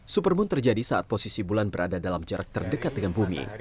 supermoon terjadi saat posisi bulan berada dalam jarak terdekat dengan bumi